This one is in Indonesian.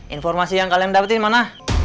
informasi yang kalian dapetin mana